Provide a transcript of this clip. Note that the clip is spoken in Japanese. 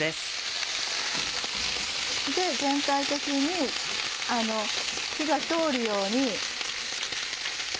全体的に火が通るように。